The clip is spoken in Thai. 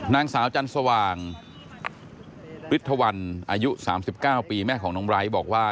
นางสาวจันทร์สว่างฤทธวันอายุ๓๙ปีแม่ของน้องไร้บอกว่า